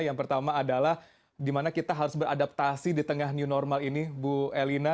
yang pertama adalah di mana kita harus beradaptasi di tengah new normal ini bu elina